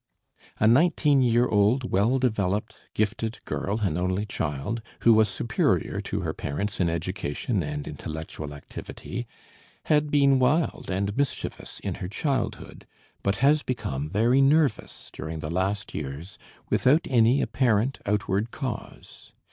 A nineteen year old, well developed, gifted girl, an only child, who was superior to her parents in education and intellectual activity, had been wild and mischievous in her childhood, but has become very nervous during the last years without any apparent outward cause.